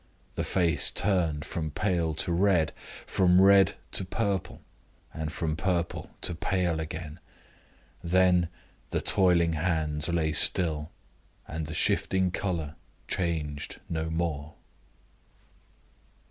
The face turned from pale to red, from red to purple, from purple to pale again. Then the toiling hands lay still, and the shifting color changed no more.